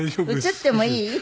映ってもいい？